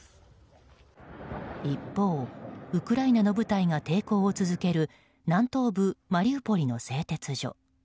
一方、ウクライナの部隊が抵抗を続ける南東部マリウポリの製鉄所。